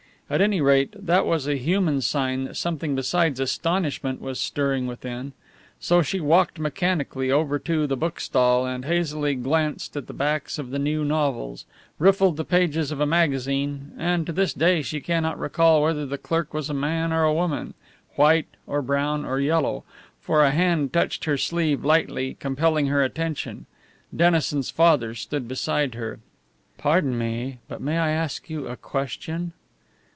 At any rate, that was a human sign that something besides astonishment was stirring within. So she walked mechanically over to the bookstall and hazily glanced at the backs of the new novels, riffled the pages of a magazine; and to this day she cannot recall whether the clerk was a man or a woman, white or brown or yellow, for a hand touched her sleeve lightly, compelling her attention. Dennison's father stood beside her. "Pardon me, but may I ask you a question?"